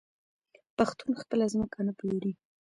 پښتون خپله ځمکه نه پلوري.